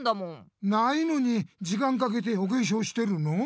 ないのに時間かけておけしょうしてるの？